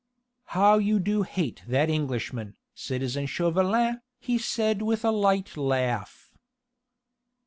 "How you do hate that Englishman, citizen Chauvelin," he said with a light laugh.